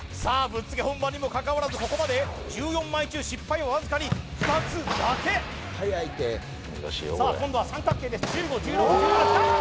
ぶっつけ本番にもかかわらずここまで１４枚中失敗はわずかに２つだけさあ今度は三角形です１５１６１７きた！